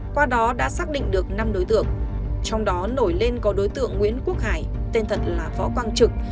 qua đó đã xác định được năm đối tượng trong đó nổi lên có đối tượng nguyễn quốc hải tên thật là võ quang trực